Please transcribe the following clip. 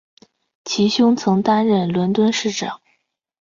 其兄曾经担任伦敦市长。